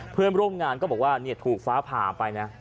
เพื่อนร่วมงานก็บอกว่าถูกฟ้าผ่าไปนะ